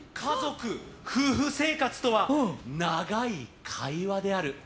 夫婦生活とは長い会話である。